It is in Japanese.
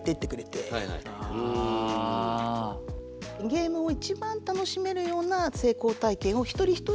ゲームを一番楽しめるような成功体験を一人一人にフォーカスしてる。